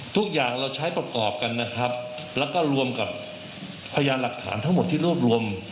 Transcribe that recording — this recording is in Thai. ทุกอย่างเราใช้ประกอบกันนะครับแล้วก็รวมกับพยานหลักฐานทั้งหมดที่รวบรวม